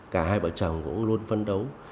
cả hai bộ chồng cũng luôn phấn đấu